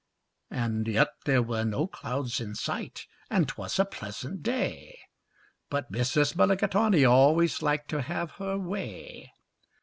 And yet there were no clouds in sight, and 'twas a pleasant day, But Mrs. Mulligatawny always liked to have her way.